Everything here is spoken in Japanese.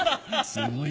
すごい！